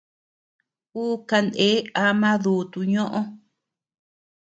Uu kanee ama duutu ñoʼo.